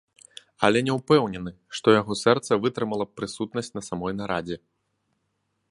Але не ўпэўнены, што яго сэрца вытрымала б прысутнасць на самой нарадзе.